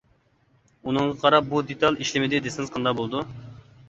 ئۇنىڭغا قاراپ بۇ دېتال ئىشلىمىدى دېسىڭىز قانداق بولىدۇ.